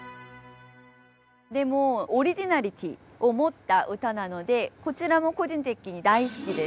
でもオリジナリティーを持った歌なのでこちらも個人的に大好きです。